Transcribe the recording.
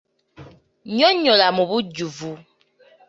Nnyonnyola mu bujjuvu.